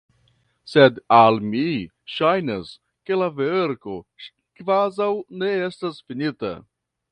Sed al mi ŝajnas, ke la verko kvazaŭ ne estas finita.